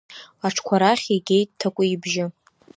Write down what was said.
Аҽқәа рахь, игеит Ҭакәи ибжьы.